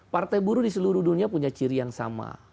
partai buruh di seluruh dunia punya ciri yang sama